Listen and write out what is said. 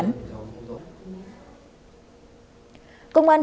công an tỉnh bắc giang phố bắc giang